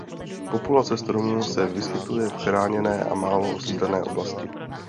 Populace stromu se vyskytuje v chráněné a málo osídlené oblasti.